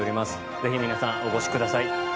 ぜひ皆さんお越しください。